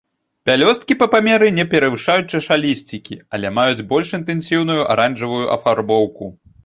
Пялёсткі па памеры не перавышаюць чашалісцікі, але маюць больш інтэнсіўную аранжавую афарбоўку.